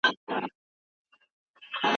لارښود استاد به ستا مسوده وګوري.